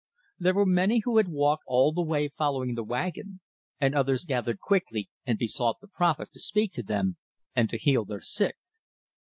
There were many who had walked all the way following the wagon, and others gathered quickly, and besought the prophet to speak to them, and to heal their sick.